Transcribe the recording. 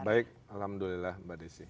baik alhamdulillah mbak desi